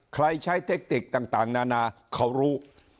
ใช้เทคนิคต่างนานาเขารู้